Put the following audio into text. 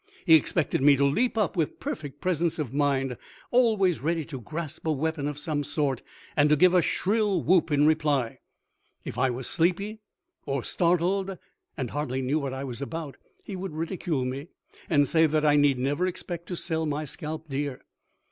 He expected me to leap up with perfect presence of mind, always ready to grasp a weapon of some sort and to give a shrill whoop in reply. If I was sleepy or startled and hardly knew what I was about, he would ridicule me and say that I need never expect to sell my scalp dear.